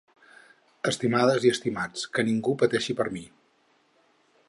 Estimades i estimats, que ningú pateixi per mi.